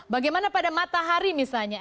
bagaimana pada matahari misalnya